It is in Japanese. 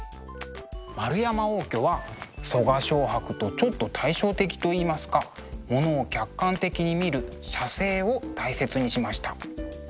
円山応挙は我蕭白とちょっと対照的といいますかものを客観的に見る写生を大切にしました。